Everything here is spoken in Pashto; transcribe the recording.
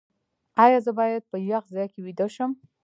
ایا زه باید په یخ ځای کې ویده شم؟